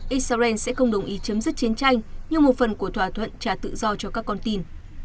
israel sẽ không đồng ý chấm dứt chiến tranh như một phần của thỏa thuận trả tự do cho các con tin